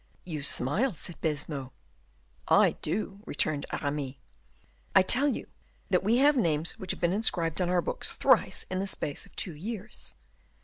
"You smile," said Baisemeaux. "I do," returned Aramis. "I tell you that we have names which have been inscribed on our books thrice in the space of two years."